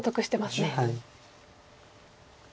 はい。